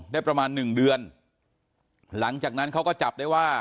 ได้ประมาณหนึ่งเดือนหลังจากนั้นเขาก็จับได้ว่า